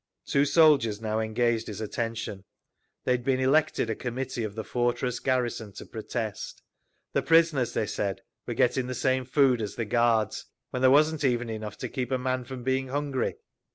Two soldiers now engaged his attention. They had been elected a committee of the fortress garrison to protest. The prisoners, they said, were getting the same food as the guards, when there wasn't even enough to keep a man from being hungry.